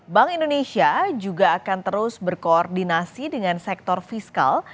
bank indonesia juga akan terus berkoordinasi dengan sektor fiskal